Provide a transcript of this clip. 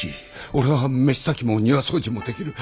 俺は飯炊きも庭掃除も出来る。